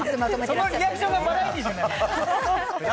そのリアクションがバラエティーじゃないの。